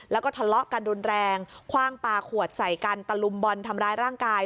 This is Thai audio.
แล้วก็ทะเลาะกันรุนแรงคว่างปลาขวดใส่กันตะลุมบอลทำร้ายร่างกาย